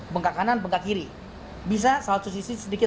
bengkak kanan bengkak kiri bisa satu sisi sedikit